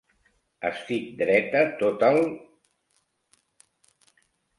Estic dreta tot el (